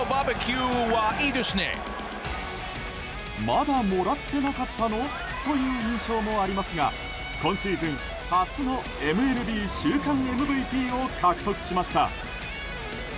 まだもらってなかったの？という印象もありますが今シーズン初のＭＬＢ週間ＭＶＰを獲得しました。